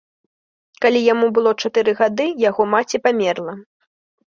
Калі яму было чатыры гады, яго маці памерла.